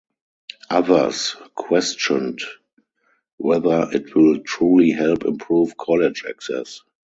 Others questioned whether it will truly help improve college access.